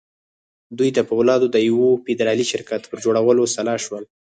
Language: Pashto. دوی د پولادو د یوه فدرالي شرکت پر جوړولو سلا شول